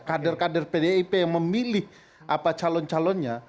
kader kader pdip yang memilih calon calonnya